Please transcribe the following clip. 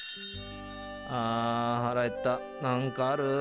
あ腹減ったなんかある？